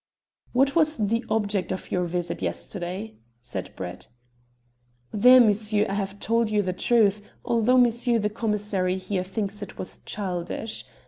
"What was the object of your visit yesterday?" said Brett. "There, monsieur, I have told you the truth, although monsieur the commissary here thinks it was childish.